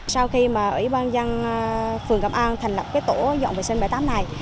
sau khi mà ủy ban dân phường cập an thành lập cái tổ dọn vệ sinh bãi tầm này